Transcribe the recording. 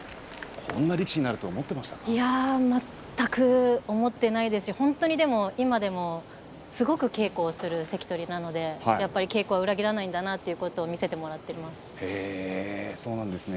こんな力士に全く思っていないし今でもすごく稽古をする関取なので、やっぱり稽古は裏切らないんだなっていうことを見せてもらっています。